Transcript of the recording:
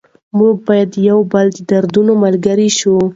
موږ باید د یو بل د دردونو ملګري شو.